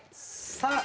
さあ！